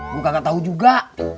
gue kagak tahu juga